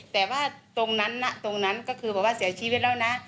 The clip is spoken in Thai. แต่ว่าตรงนั้นนะตรงนั้นก็คือเสียชีวิตแล้วนะ